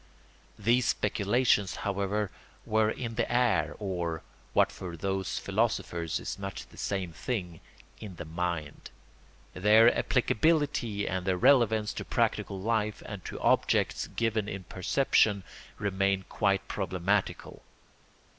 These speculations, however, were in the air or—what for these philosophers is much the same thing—in the mind; their applicability and their relevance to practical life and to objects given in perception remained quite problematical.